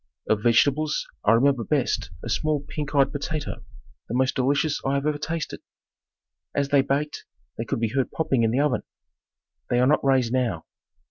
Of vegetables I remember best a small pink eyed potato, the most delicious I have ever tasted. As they baked, they could be heard popping in the oven. They are not raised now.